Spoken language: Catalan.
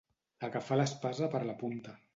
Agafar l'espasa per la punta.